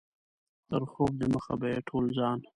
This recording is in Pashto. تر خوب دمخه به یې ټول ځان.